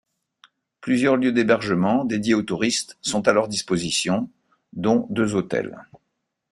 Plusieurs lieux d'hébergements, dédiés aux touristes, sont à leur dispositions, dont deux hôtels.